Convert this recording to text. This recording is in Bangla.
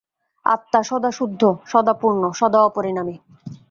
আত্মা সদা শুদ্ধ, সদা পূর্ণ, সদা অপরিণামী।